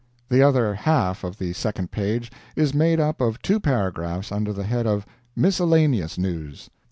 The other half of the second page is made up of two paragraphs under the head of "Miscellaneous News."